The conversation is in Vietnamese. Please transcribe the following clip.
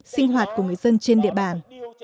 sinh hoạt của người dân trên địa bàn